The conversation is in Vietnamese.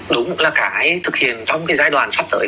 đúng là cái thực hiện trong cái giai đoạn sắp tới